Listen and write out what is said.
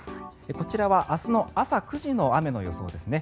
こちらは明日の朝９時の雨の予想ですね。